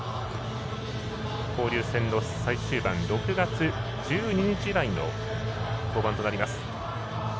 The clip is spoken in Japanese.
交流戦の最終盤６月１２日以来の登板となります。